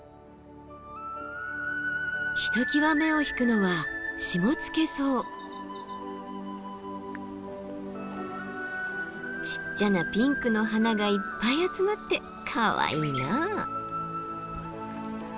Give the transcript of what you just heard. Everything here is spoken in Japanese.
ひときわ目を引くのはちっちゃなピンクの花がいっぱい集まってかわいいなあ。